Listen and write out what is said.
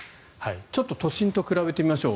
ちょっと都心と比べてみましょう。